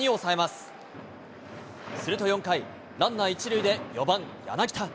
すると４回、ランナー１塁で４番柳田。